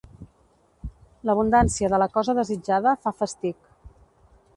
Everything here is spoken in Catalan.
L'abundància de la cosa desitjada fa fastig.